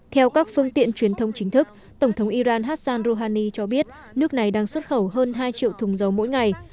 theo các phương tiện truyền thông chính thức tổng thống iran hassan rouhani cho biết nước này đang xuất khẩu hơn hai triệu thùng dầu mỗi ngày